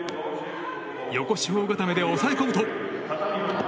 横四方固めで抑え込むと。